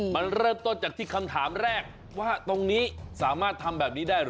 มันเริ่มต้นจากที่คำถามแรกว่าตรงนี้สามารถทำแบบนี้ได้หรือ